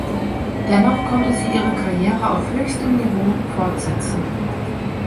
Dennoch konnte sie ihre Karriere auf höchstem Niveau fortsetzen.